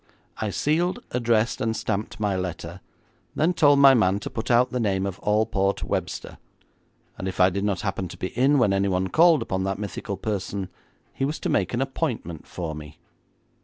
I sealed, addressed, and stamped my letter, then told my man to put out the name of Alport Webster, and if I did not happen to be in when anyone called upon that mythical person, he was to make an appointment for me.